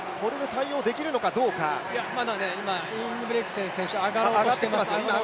まだインゲブリクセン選手上がろうとしています。